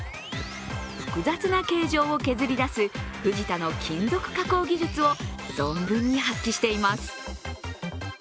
複雑な形状を削り出すフジタの金属加工技術を存分に発揮しています。